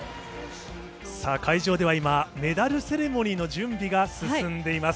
さあ、会場では今、メダルセレモニーの準備が進んでいます。